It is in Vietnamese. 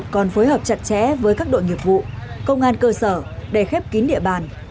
chín trăm một mươi một còn phối hợp chặt chẽ với các đội nghiệp vụ công an cơ sở để khép kín địa bàn